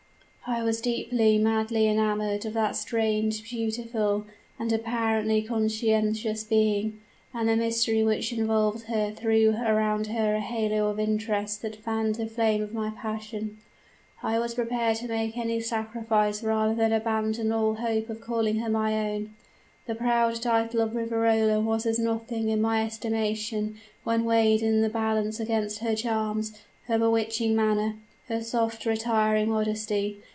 I was deeply, madly enamored of that strange, beautiful, and apparently conscientious being; and the mystery which involved her threw around her a halo of interest that fanned the flame of my passion. I was prepared to make any sacrifice rather than abandon all hope of calling her my own. The proud title of Riverola was as nothing in my estimation when weighed in the balance against her charms her bewitching manner her soft, retiring modesty.